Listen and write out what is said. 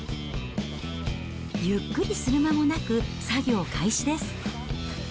ゆっくりする間もなく、作業開始です。